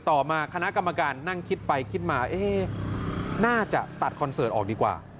ต่อมาคณะกรรมการนั่งคิดไปคิดมาน่าจะตัดคอนเสิร์ตออกดีกว่า